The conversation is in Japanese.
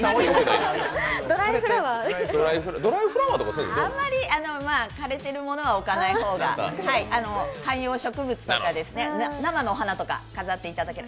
ドライフラワーとかあまり枯れているものは置かない方が観葉植物とか生のお花とか飾っていただければ。